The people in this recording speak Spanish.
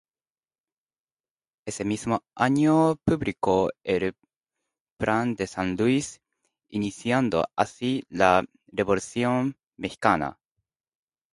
Ese mismo año publicó el Plan de San Luis iniciando así la Revolución mexicana.